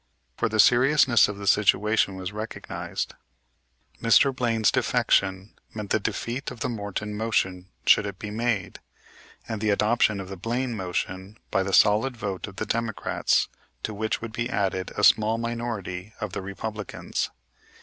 For the seriousness of the situation was recognized. Mr. Blaine's defection meant the defeat of the Morton motion should it be made, and the adoption of the Blaine motion by the solid vote of the Democrats, to which would be added a small minority of the Republicans.